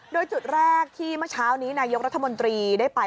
โดยจุดแรกที่เมื่อเช้านี้นายกรัฐมนตรีได้ไป